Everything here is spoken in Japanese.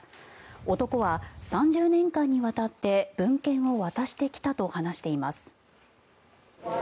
男は、３０年間にわたって文献を渡してきたと話しています。